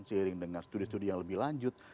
seiring dengan studi studi yang lebih lanjut